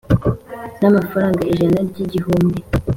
n’amafaranga ijana ry’igihumbi